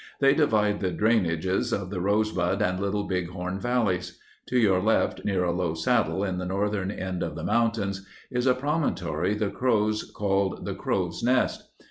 They divide the drainages of the Rosebud and Little Bighorn valleys. To your left, near a low saddle in the northern end of the mountains, is a promon tory the Crows called the Crow's Nest.